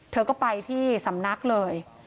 เธอก็ไปที่สำนักเลย